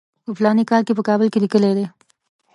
په فلاني کال کې په کابل کې لیکلی دی.